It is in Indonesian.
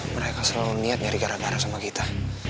mereka selalu niat nyari kara kara sama kita